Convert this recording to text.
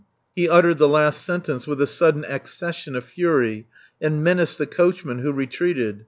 He uttered the last sentence with a sudden accession of fury, and menaced the coachman, who retreated.